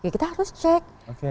kita harus cek